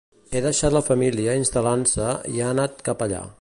He deixat la família instal·lant-se i ha anat cap allà.